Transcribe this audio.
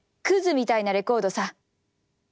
クズみたいなレコードさ」。